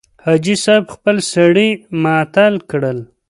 حاجي صاحب خپل سړي معطل کړل.